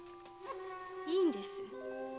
いいんです。